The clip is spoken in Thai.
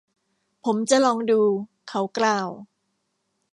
ผมจะลองดู เขากล่าว